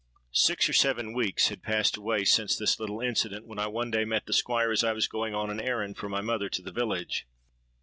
"Six or seven weeks had passed away since this little incident, when I one day met the Squire as I was going on an errand for my mother to the village.